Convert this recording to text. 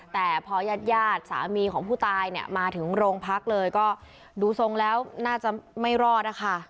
แต่พอญาติญาติสามีของผู้ตายเนี่ยมาถึงโรงพักเลยก็ดูทรงแล้วน่าจะไม่รอดนะคะ